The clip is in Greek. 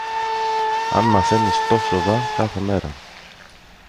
Αν μαθαίνεις τόσο δα κάθε μέρα